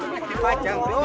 ini kasetnya udah bagus loh